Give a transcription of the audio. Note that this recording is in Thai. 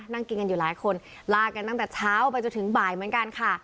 นั่งกินกันอยู่หลายคนลากันตั้งแต่เช้าไปจนถึงบ่ายเหมือนกันค่ะ